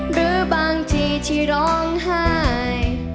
หรือบางทีที่ร้องไห้